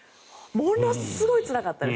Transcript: ものすごいつらかったです。